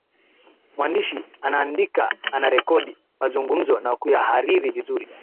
mwandishi anaandika anarekodi mazungumzo na kuyahariri vizuri